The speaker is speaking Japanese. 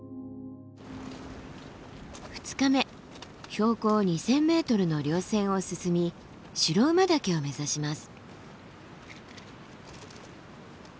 標高２，０００ｍの稜線を進み白馬岳を目指します。